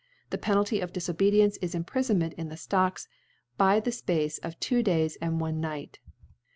The * Penalty of Difobcdience is Imprifonment * in the Stocks by the Space of two Days * and one Night *.